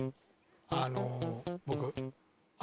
あの僕。